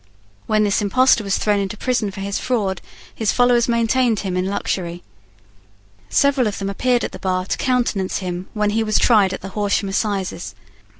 When this impostor was thrown into prison for his fraud, his followers maintained him in luxury. Several of them appeared at the bar to countenance him when he was tried at the Horsham assizes.